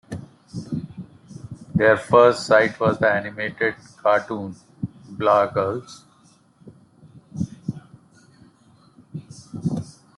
Their first site was the animated cartoon "Blah Girls".